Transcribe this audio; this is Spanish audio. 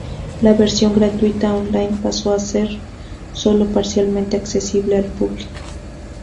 La versión gratuita online pasó a ser sólo parcialmente accesible al público.